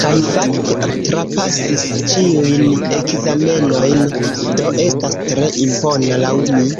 Kaj fakte trapasis ĉiujn ekzamenojn, do estas tre impona laŭ mi.